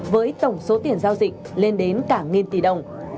với tổng số tiền giao dịch lên đến cả nghìn tỷ đồng